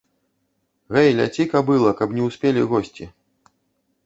Гэй, ляці, кабыла, каб не ўспелі госці.